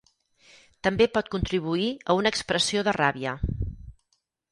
També pot contribuir a una expressió de ràbia.